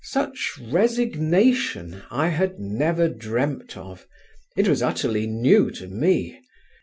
Such resignation I had never dreamt of. It was utterly new to me.